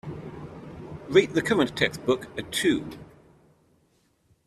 Rate the current textbook a two